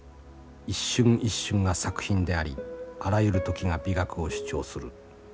一瞬一瞬が作品でありあらゆる時が美学を主張する。